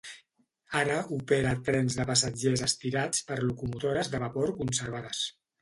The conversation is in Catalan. Ara opera trens de passatgers estirats per locomotores de vapor conservades.